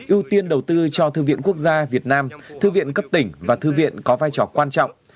ưu tiên đầu tư cho thư viện quốc gia việt nam thư viện cấp tỉnh và thư viện có vai trò quan trọng